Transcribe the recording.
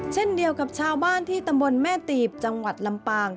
เช่นเดียวกับชาวบ้านที่ตำบลแม่ตีบจังหวัดลำปาง